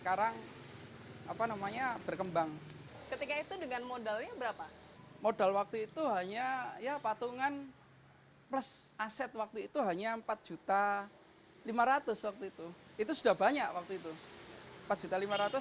tapi kalau dadaan kapasitas kita bisa sampai